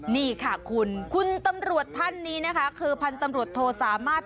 นี่ค่ะคุณคุณตำรวจท่านนี้นะคะคือพันธุ์ตำรวจโทสามารถ